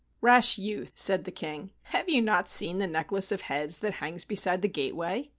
"Rash youth," said the King, "have you not seen the necklace of heads that hangs beside the gateway